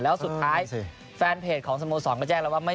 แล้วสุดท้ายแฟนเพจของสโมสรก็แจ้งแล้วว่า